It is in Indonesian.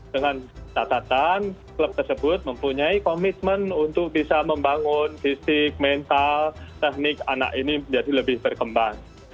dengan catatan klub tersebut mempunyai komitmen untuk bisa membangun fisik mental teknik anak ini menjadi lebih berkembang